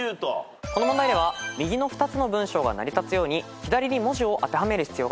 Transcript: この問題では右の２つの文章が成り立つように左に文字を当てはめる必要があります。